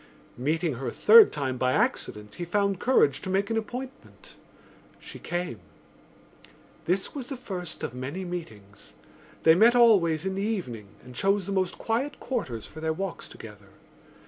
Meeting her a third time by accident he found courage to make an appointment. She came. This was the first of many meetings; they met always in the evening and chose the most quiet quarters for their walks together.